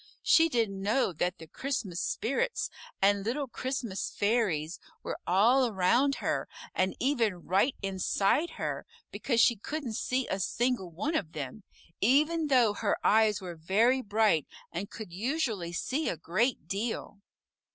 She didn't know that the Christmas spirits and little Christmas fairies were all around her and even right inside her, because she couldn't see a single one of them, even though her eyes were very bright and could usually see a great deal.